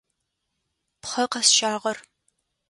Пхъэ къэсщагъэр.